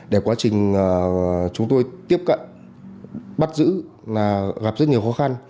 để quá trình chúng tôi tiếp cận bắt giữ là gặp rất nhiều khó khăn